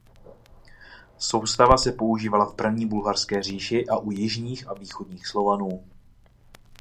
Soustava se používala v První bulharské říši a u jižních a východních Slovanů.